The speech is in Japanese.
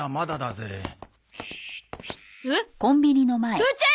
父ちゃん